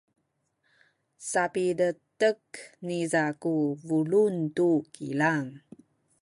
sapiletek niza ku pulung tu kilang.